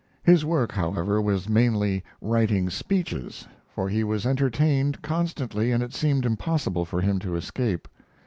His work, however, was mainly writing speeches, for he was entertained constantly, and it seemed impossible for him to escape.